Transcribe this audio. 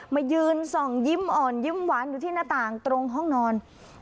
มายืนส่องยิ้มอ่อนยิ้มหวานอยู่ที่หน้าต่างตรงห้องนอน